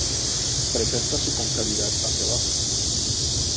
Presenta su concavidad hacia abajo.